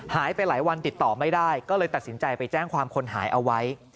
หายไปหลายวันติดต่อไม่ได้ก็เลยตัดสินใจไปแจ้งความคนหายเอาไว้